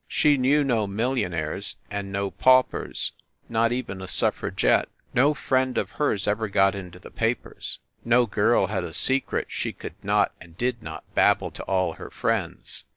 She knew no millionaires and no paupers. Not even a suffragette. No friend of hers ever got into the papers. No girl had a secret she could not and did not babble to all her friends.